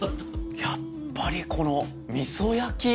やっぱりこの味噌焼き。